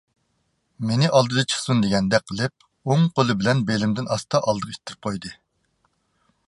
مېنى ئالدىدا چىقسۇن دېگەندەك قىلىپ ئوڭ قولى بىلەن بېلىمدىن ئاستا ئالدىغا ئىتتىرىپ قويدى.